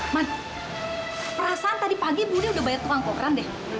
man perasaan tadi pagi udah bayar tukang koran deh